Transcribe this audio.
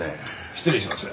失礼します。